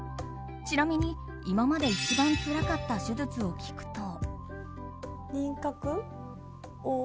ちなみに、今まで一番つらかった手術を聞くと。